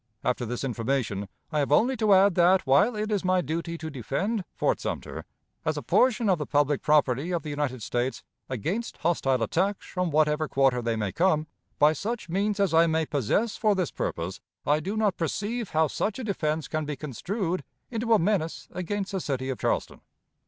After this information, I have only to add that, while it is my duty to defend Fort Sumter, as a portion of the public property of the United States, against hostile attacks from whatever quarter they may come, by such means as I may possess for this purpose, I do not perceive how such a defense can be construed into a menace against the city of Charleston.